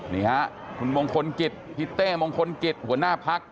นี่ฮะคุณมงคลกิจพี่เต้มงคลกิจหัวหน้าพัก